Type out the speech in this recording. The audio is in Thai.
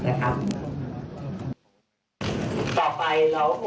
ต่อไปเราคงต้องเผชิญ